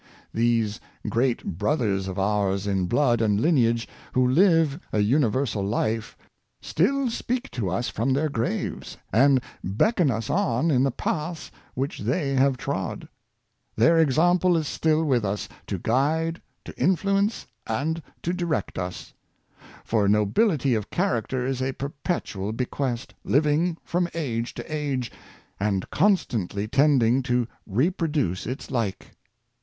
These great brothers of ours in blood and lineage, who live a universal life, still speak to us from their graves, and beckon us on in the paths which they have trod. Their example is still with us. Consolation of a Well spent Life. 145 to guide, to influence and to direct us. For nobility of character is a perpetual bequest, living from age to age, and constantly tending to reproduce its like.